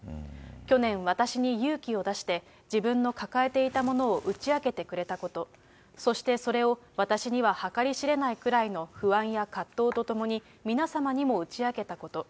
去年、私に勇気を出して自分の抱えていたものを打ち明けてくれたこと、そしてそれを私には計り知れないくらいの不安や葛藤とともに、皆様にも打ち明けたこと。